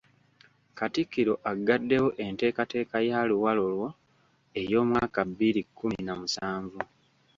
Katikkiro aggaddewo enteekateeka ya ‘Luwalo lwo’ ey’omwaka bbiri kkumi na musanvu.